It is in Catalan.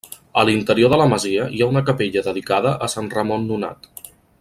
A l'interior de la masia hi ha una capella dedicada a Sant Ramon Nonat.